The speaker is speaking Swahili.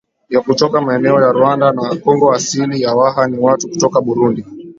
ya kutoka maeneo ya Rwanda na Kongo Asili ya Waha ni watu kutoka Burundi